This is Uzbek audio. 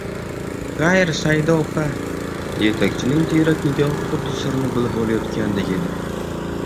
Xayr Saida opa, Yetakchining tiyrak nigohi xuddi sirini bilib olayotgandek edi